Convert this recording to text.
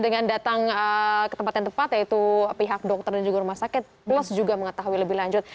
dengan datang ke tempat yang tepat yaitu pihak dokter dan juga rumah sakit plus juga mengetahui lebih lanjut